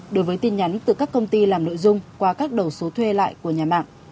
đối với tin nhắn từ các công ty làm nội dung qua các đầu số thuê lại của nhà mạng